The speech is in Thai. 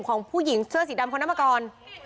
ของผู้หญิงเสื้อสีดำของน้ำมะกร